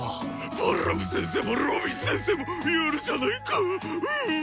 バラム先生もロビン先生もやるじゃないかううっ。